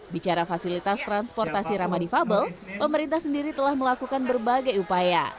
bicara fasilitas transportasi ramah difabel pemerintah sendiri telah melakukan berbagai upaya